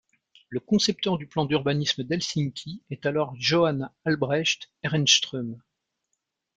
Le concepteur du plan d'urbanisme d’Helsinki est alors Johan Albrecht Ehrenström.